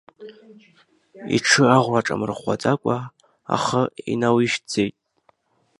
Иҽы аӷәра аҿамырӷәӷәаӡакәа, ахы инауижьҭӡеит.